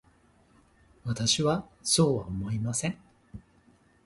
私はそうは思いません。